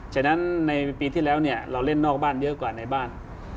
ฉะนั้นในปีที่แล้วเนี่ยเราเล่นนอกบ้านเยอะกว่าในบ้าน